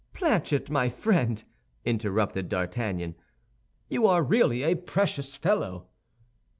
'" "Planchet, my friend," interrupted D'Artagnan, "you are really a precious fellow."